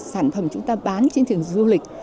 sản phẩm chúng ta bán trên thường du lịch